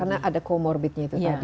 karena ada comorbidnya itu tadi